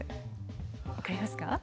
分かりますか？